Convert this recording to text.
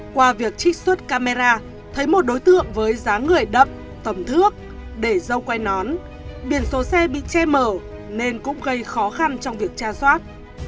qua việc trích xuất camera thấy một đối tượng với dáng người đậm tầm thước để dâu quay nón biển số xe bị che mở nên cũng gây khó khăn trong việc tra soát